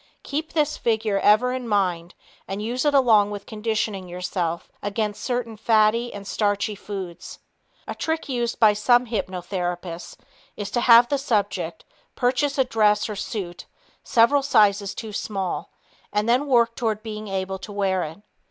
Keep this figure ever in mind and use it along with conditioning yourself against certain fatty and starchy foods. A trick used by some hypnotherapists is to have the subject purchase a dress or suit several sizes too small and then work toward being able to wear it.